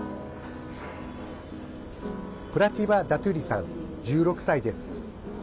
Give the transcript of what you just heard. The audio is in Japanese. プラティバ・ダトゥリさん１６歳です。